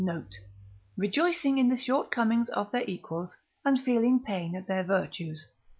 note), rejoicing in the shortcomings of their equals, and feeling pain at their virtues.